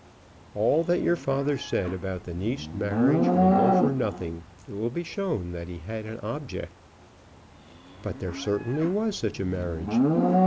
"All that your father said about the Nice marriage will go for nothing. It will be shown that he had an object." "But there certainly was such a marriage."